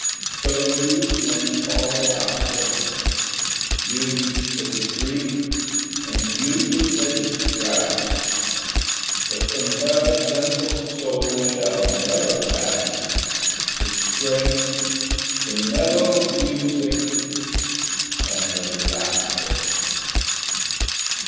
So youth must follow after, Youth that is brief and beauty that is grass; But from her gentle soul shall never pass The strength, the mellow music, and the laughter.